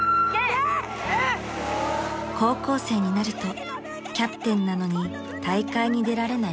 ［高校生になるとキャプテンなのに大会に出られない